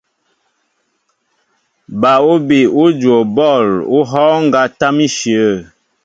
Ba úbi ú juwo bɔ̂l ú hɔ́ɔ́ŋ ŋgá tâm íshyə̂.